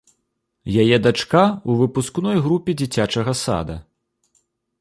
Яе дачка ў выпускной групе дзіцячага сада.